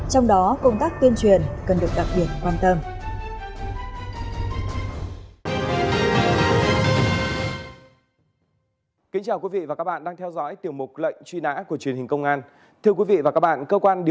trong đó công tác tuyên truyền cần được đặc biệt quan tâm